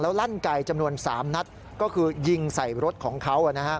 ลั่นไกลจำนวน๓นัดก็คือยิงใส่รถของเขา